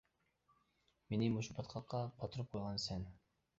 مېنى مۇشۇ پاتقاققا پاتۇرۇپ قويغان سەن.